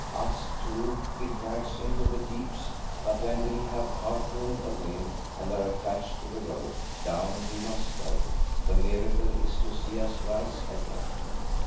Us, too, he drags into the deeps, but when we have harpooned a whale and are attached to the rope, down we must go; the miracle is to see us rise again.